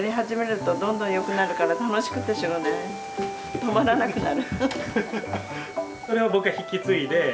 止まらなくなる。